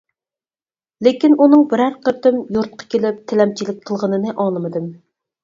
لېكىن، ئۇنىڭ بىرەر قېتىم يۇرتقا كېلىپ، تىلەمچىلىك قىلغىنىنى ئاڭلىمىدىم.